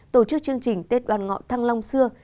tổ chức chương trình tết đoàn ngọ thăng long xưa